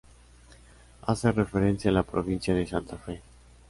Hace referencia a la provincia de Santa Fe.